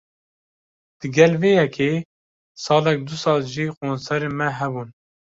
Digel vê yekê, salek du sal jî konserên me hebûn